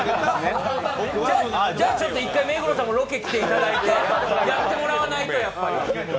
じゃあ、目黒さんも１回ロケ来ていただいてやってもらわないと。